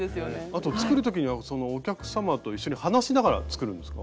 あと作るときにはお客様と一緒に話しながら作るんですか？